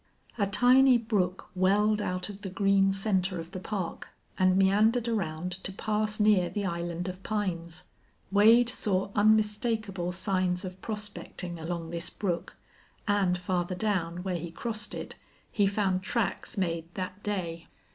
A tiny brook welled out of the green center of the park and meandered around to pass near the island of pines. Wade saw unmistakable signs of prospecting along this brook, and farther down, where he crossed it, he found tracks made that day.